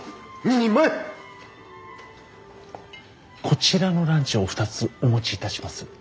こちらのランチをお二つお持ちいたします。